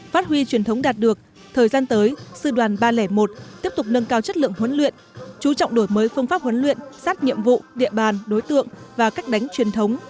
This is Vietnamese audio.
phát huy truyền thống đạt được thời gian tới sư đoàn ba trăm linh một tiếp tục nâng cao chất lượng huấn luyện chú trọng đổi mới phương pháp huấn luyện sát nhiệm vụ địa bàn đối tượng và cách đánh truyền thống